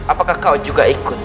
apakah kau juga ikut